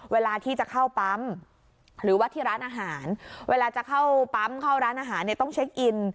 เวลาที่จะเข้าปั๊มหรือว่าที่ร้านอาหารเวลาจะเข้าปั๊มเข้าร้านอาหารเนี่ยต้องเช็คอิน